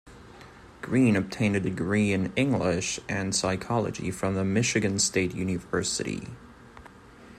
Greene obtained a degree in English and in Psychology from the Michigan State University.